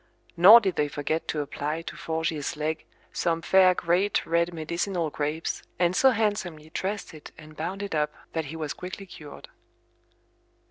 Nor did they forget to apply to Forgier's leg some fair great red medicinal grapes, and so handsomely dressed it and bound it up that he was quickly cured.